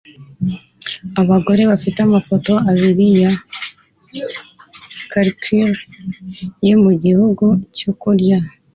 Abagore bafite amafoto abiri ya karicature ye mugihe cyo kurya